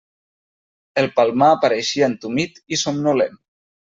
El Palmar pareixia entumit i somnolent.